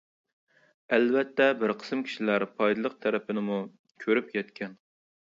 ئەلۋەتتە، بىر قىسىم كىشىلەر پايدىلىق تەرىپىنىمۇ كۆرۈپ يەتكەن.